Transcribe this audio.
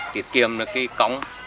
tiết kiệm được cái cống